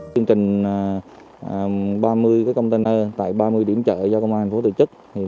chương trình ba mươi container tại ba mươi điểm chợ do công an tp hcm